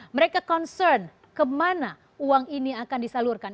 mereka concern kemana uang ini akan disalurkan